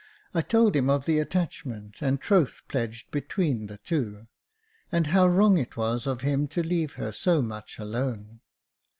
I told him of the attachment and troth pledged between the two, and how wrong it was for him to leave her so much alone.